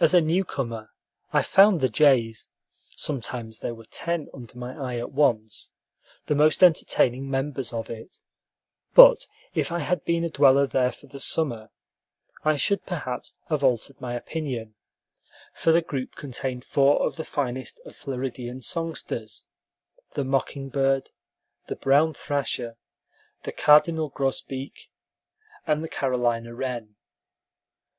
As a new comer, I found the jays (sometimes there were ten under my eye at once) the most entertaining members of it, but if I had been a dweller there for the summer, I should perhaps have altered my opinion; for the group contained four of the finest of Floridian songsters, the mocking bird, the brown thrasher, the cardinal grosbeak, and the Carolina wren.